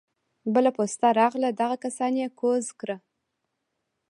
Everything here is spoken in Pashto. بله پسته راغله دغه کسان يې کوز کړه.